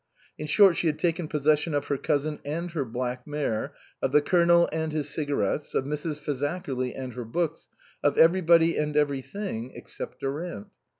In short, she had taken pos session of her cousin and her black mare, of the Colonel and his cigarettes, of Mrs. Fazakerly and her books, of everybody and everything except Durant.